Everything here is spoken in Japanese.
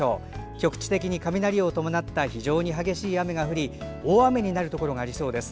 局地的に雷を伴った非常に激しい雨が降り大雨になるところがありそうです。